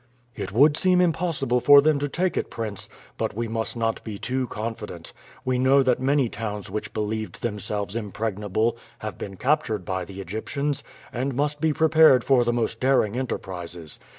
"It would seem impossible for them to take it, prince; but we must not be too confident. We know that many towns which believed themselves impregnable have been captured by the Egyptians, and must be prepared for the most daring enterprises.